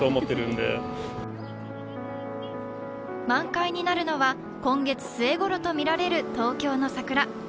満開になるのは今月末ごろとみられる東京の桜。